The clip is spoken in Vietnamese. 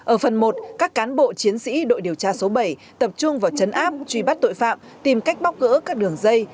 ở phần một các cán bộ chiến sĩ đội điều tra số bảy tập trung vào chấn áp truy bắt tội phạm tìm cách bóc gỡ các đường dây